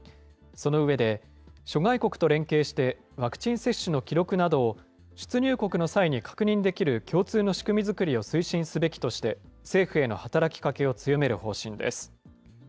その上で、諸外国と連携して、ワクチン接種の記録などを出入国の際に確認できる共通の仕組み作りを推進すべきとして、政府への働きかけを強める方針です。